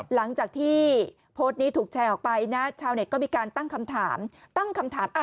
หลังจากที่โพสต์นี้ถูกแชร์ออกไปนะชาวเน็ตก็มีการตั้งคำถามตั้งคำถาม